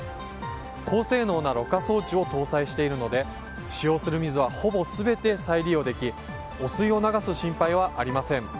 高性能なろ過装置を搭載しているので使用する水はほぼ全て再利用でき汚水を流す心配はありません。